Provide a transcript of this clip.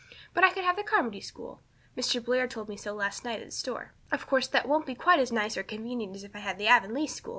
But I can have the Carmody school Mr. Blair told me so last night at the store. Of course that won't be quite as nice or convenient as if I had the Avonlea school.